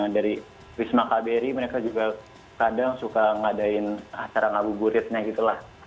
dari wisma kbri mereka juga kadang suka ngadain sarang abu guritnya gitu lah